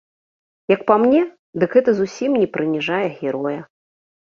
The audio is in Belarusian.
Як па мне, дык гэта зусім не прыніжае героя.